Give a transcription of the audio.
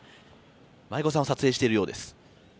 舞子さんを撮影しているようです。